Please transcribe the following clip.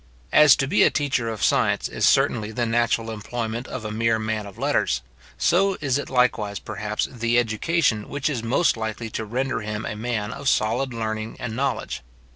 As to be a teacher of science is certainly the natural employment of a mere man of letters; so is it likewise, perhaps, the education which is most likely to render him a man of solid learning and knowledge.